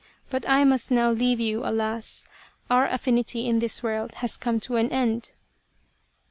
But I must now leave you, alas ! Our affinity in this world has come to an end."